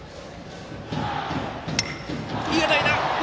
いい当たり！